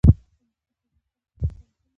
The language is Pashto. هندوکش د اوږدمهاله پایښت لپاره مهم دی.